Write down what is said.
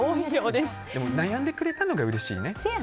でも悩んでくれたのがうれしいね。